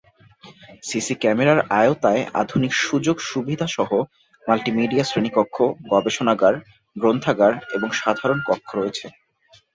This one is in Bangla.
সিসি ক্যামেরার আওতায় আধুনিক সুযোগ সুবিধা সহ মাল্টিমিডিয়া শ্রেণীকক্ষ, গবেষণাগার, গ্রন্থাগার এবং সাধারণ কক্ষ রয়েছে।